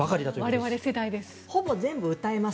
我々世代です。